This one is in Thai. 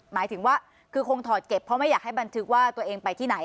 หมายถึงว่าคือคงถอดเก็บเพราะไม่อยากให้บันทึกว่าตัวเองไปที่ไหน